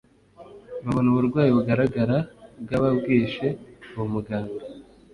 babona uburwayi bugaragara bwaba bwishe uwo muganga